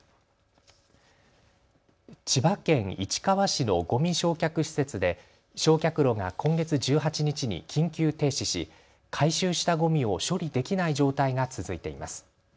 千葉県市川市のごみ焼却施設で焼却炉が今月１８日に緊急停止し回収したごみを処理できない状態が続いています。